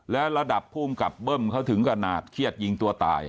และระดับภูมิกับเบิ้มเขาถึงขนาดเครียดยิงตัวตาย